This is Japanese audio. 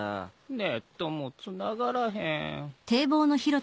ネットもつながらへん。